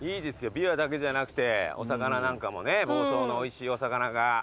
びわだけじゃなくてお魚なんかも房総のおいしいお魚が。